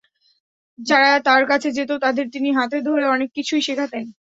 যারা তাঁর কাছে যেত, তাদের তিনি হাতে ধরে অনেক কিছুই শেখাতেন।